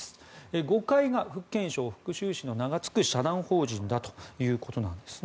５階が福建省福州市の名がつく社団法人だということなんです。